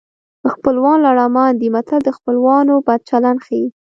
خپلوان لړمان دي متل د خپلوانو بد چلند ښيي